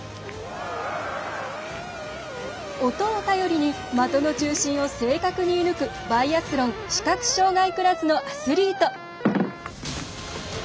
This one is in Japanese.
音を頼りに的の中心を正確に射抜くバイアスロン視覚障がいクラスのアスリート。